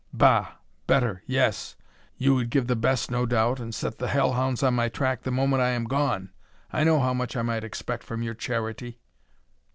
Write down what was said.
"Bah! Better; yes! You would give the best no doubt, and set the hell hounds on my track the moment I am gone. I know how much I might expect from your charity."